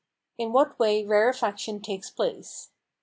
In what way rarefaction takes place.